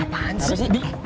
apaan sih di